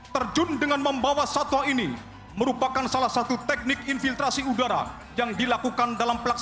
terjun dengan membawa satwa ini merupakan salah satu teknik infiltrasi udara yang dilakukan dalam pelaksanaan